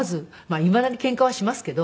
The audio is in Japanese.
いまだにケンカはしますけど。